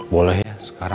kan roti sendiri